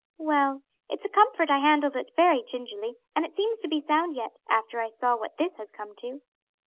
"Well, it's a comfort I handled it very gingerly, and it seems to be sound yet, after I saw what this has come to."